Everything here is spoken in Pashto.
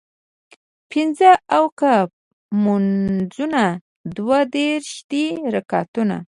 پينځۀ اوکه مونځونه دوه دېرش دي رکعتونه